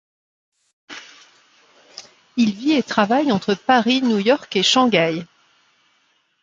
Il vit et travaille entre Paris, New York et Shanghai.